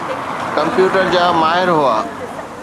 Computer جا ماهر هئا.